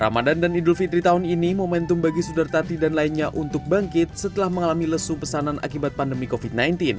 ramadan dan idul fitri tahun ini momentum bagi sudartati dan lainnya untuk bangkit setelah mengalami lesu pesanan akibat pandemi covid sembilan belas